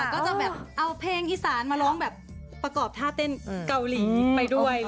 ก็จะแบบเอาเพลงอีสานมาร้องแบบประกอบท่าเต้นเกาหลีไปด้วย